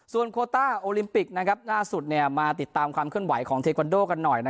ส่วนโคต้าโอลิมปิกล่าสุดมาติดตามความเคลื่อนไหวของเทควันโดกันหน่อย